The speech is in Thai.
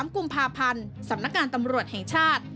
๓กุมภาพันธ์สำนักงานตำรวจแห่งชาติ